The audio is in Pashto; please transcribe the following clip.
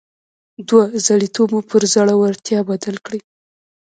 دوه زړي توب مو پر زړورتيا بدل کړئ.